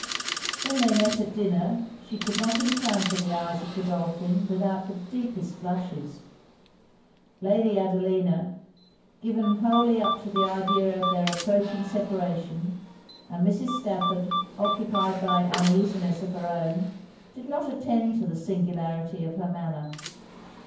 When they met at dinner, she could not encounter the eyes of Godolphin without the deepest blushes: Lady Adelina, given wholly up to the idea of their approaching separation, and Mrs. Stafford, occupied by uneasiness of her own, did not attend to the singularity of her manner.